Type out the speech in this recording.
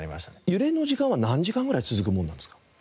揺れの時間は何時間ぐらい続くものなんですか？